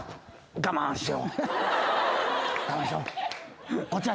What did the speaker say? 我慢しよ！